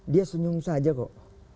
dia senyum saja kok